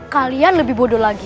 kalian lebih bodoh lagi